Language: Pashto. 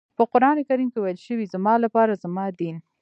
په قرآن کریم کې ويل شوي زما لپاره زما دین.